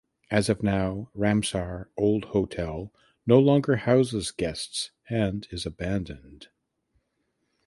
As of now Ramsar old Hotel no longer houses guests and is abandoned.